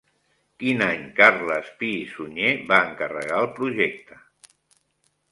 Quin any Carles Pi i Sunyer va encarregar el projecte?